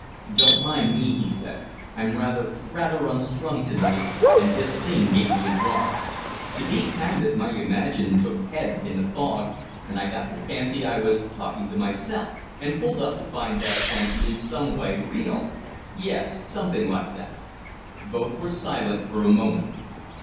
"Don't mind me," he said. "I'm rather rather unstrung to night, and this thing gave me a jar. To be candid, my imagination took head in the fog, and I got to fancy I was talking to myself " "And pulled up to find the fancy in some way real?" "Yes. Something like that." Both were silent for a moment.